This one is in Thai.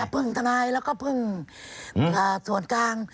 พึ่งทนายแล้วก็พึ่งส่วนกลาง